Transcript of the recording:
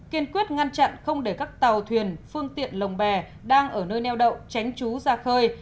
kiên quyết ngăn chặn không để các tàu thuyền phương tiện lồng bè đang ở nơi neo đậu tránh trú ra khơi